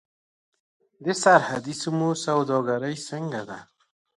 د سرحدي سیمو سوداګري څنګه ده؟